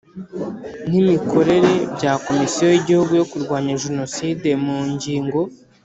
N imikorere bya komisiyo y igihugu yo kurwanya jenoside mu ngingo